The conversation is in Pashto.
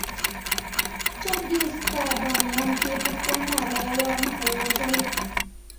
چنګېز په باميان کې پښتانه له يوه مخه ووژل